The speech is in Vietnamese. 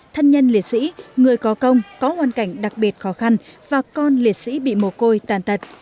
thân nhân liệt sĩ người có công có hoàn cảnh đặc biệt khó khăn và con liệt sĩ bị mồ côi tàn tật